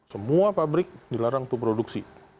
semua pabrik dilarang untuk produksi